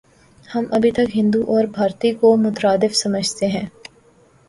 ہم ابھی تک 'ہندو‘ اور 'بھارتی‘ کو مترادف سمجھتے ہیں۔